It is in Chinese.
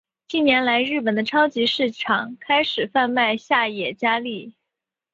近年来日本的超级市场开始贩卖下野家例。